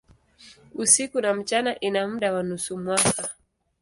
Usiku na mchana ina muda wa nusu mwaka.